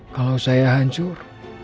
kalau saya hancur